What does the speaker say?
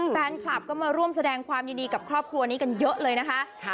แฟนคลับก็มาร่วมแสดงความยินดีกับครอบครัวนี้กันเยอะเลยนะคะ